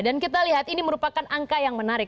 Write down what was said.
dan kita lihat ini merupakan angka yang menarik